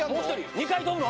２回飛ぶの？